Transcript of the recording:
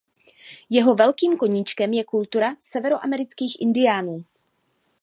Jeho velkým koníčkem je kultura severoamerických indiánů.